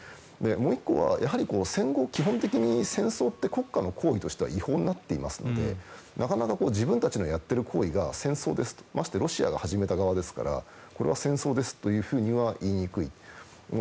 もう１個は、基本的に戦争って国家の行為としては違法になっていますのでなかなか自分たちのやっている行為が戦争ですとましてやロシアが始めた側ですからこれは戦争ですと言いづらい。